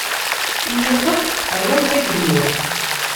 I yixef, rran tagennurt.